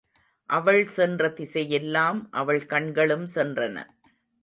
அவள் சென்ற திசையெல்லாம் அவள் கண்களும் சென்றன.